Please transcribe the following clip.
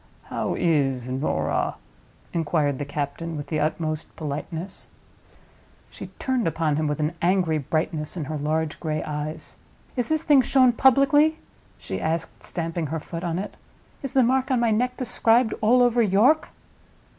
"How is Norah?" inquired the captain, with the utmost politeness. She turned upon him with an angry brightness in her large gray eyes. "Is this thing shown publicly?" she asked, stamping her foot on it. "Is the mark on my neck described all over York?"